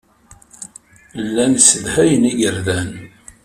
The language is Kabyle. Llan ssedhayen igerdan.